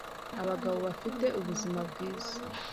Abagabo bafite ubuzima bwiza